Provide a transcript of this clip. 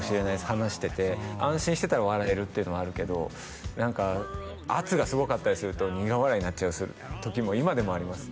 話してて安心してたら笑えるっていうのはあるけど何か圧がすごかったりすると苦笑いになったりする時も今でもあります